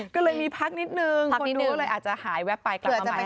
ก็เลยมีพักนิดนึงคนดูก็เลยอาจจะหายแวบไปกลับมาใหม่